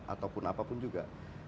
ataupun apapun juga